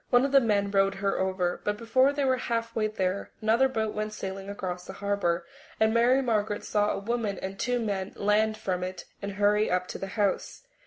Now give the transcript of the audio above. One of the men rowed her over, but before they were halfway there another boat went sailing across the harbour, and Mary Margaret saw a woman and two men land from it and hurry up to the house.